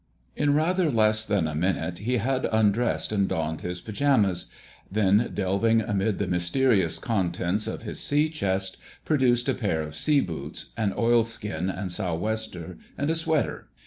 In rather less than a minute he had undressed and donned his pyjamas; then, delving amid the mysterious contents of his sea chest, produced a pair of sea boots, an oilskin and sou'wester and a sweater.